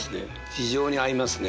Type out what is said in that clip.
非常に合いますね